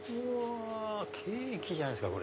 ケーキじゃないですか！